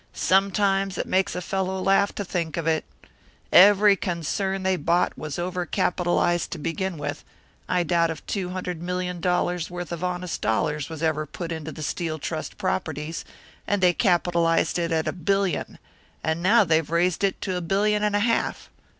"Sometimes it makes a fellow laugh to think of it. Every concern they bought was overcapitalised to begin with; I doubt if two hundred million dollars' worth of honest dollars was ever put into the Steel Trust properties, and they capitalised it at a billion, and now they've raised it to a billion and a half!